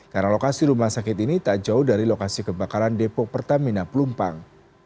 karena lokasi rumah sakit ini tak jauh dari lokasi kebakaran depo pertamina pelumpang